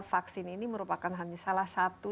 vaksin ini merupakan hanya salah satu